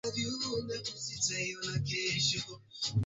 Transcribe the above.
Mikondo duni ya kupitisha maji katika maboma